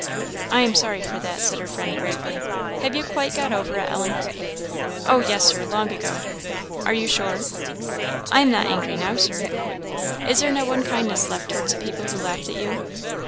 "I am sorry for that," said her friend, gravely. "Have you quite got over it, Ellen?" "Oh yes, Sir long ago." "Are you sure?" "I am not angry now, Sir." "Is there no unkindness left towards the people who laughed at you?"